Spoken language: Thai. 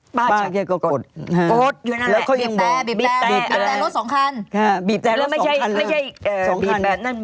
กดแล้วเพราะยังบอกสองครั้นตัวฝันบีบแล้วมันใช่ด้านนั้น